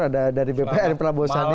ada dari bpr prabowo sani